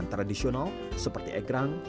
yang tradisional seperti ekrang